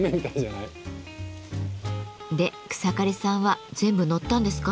で草刈さんは全部乗ったんですか？